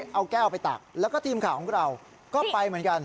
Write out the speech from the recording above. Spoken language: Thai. เอาแก้วไปตักแล้วก็ทีมข่าวของเราก็ไปเหมือนกัน